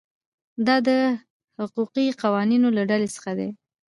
دا د حقوقي قوانینو له ډلې څخه دي.